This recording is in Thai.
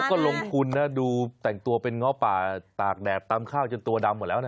ก็ลงทุนนะดูแต่งตัวเป็นง้อป่าตากแดดตำข้าวจนตัวดำหมดแล้วนะ